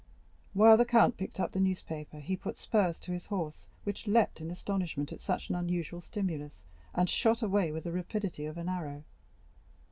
While the count picked up the paper he put spurs to his horse, which leaped in astonishment at such an unusual stimulus, and shot away with the rapidity of an arrow.